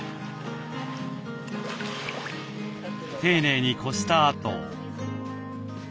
丁寧にこしたあと。